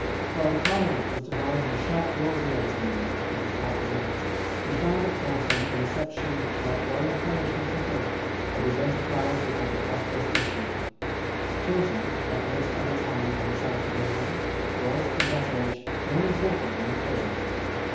While the Parliament was devising sharp laws against Monmouth and his partisans, he found at Taunton a reception which might well encourage him to hope that his enterprise would have a prosperous issue. Taunton, like most other towns in the south of England, was, in that age, more important than at present.